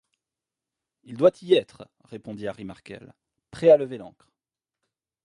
Il doit y être, répondit Harry Markel, prêt à lever l’ancre!